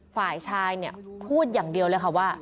ฝ่ายชายเนี่ยพูดอย่างเดียวเลยค่ะว่า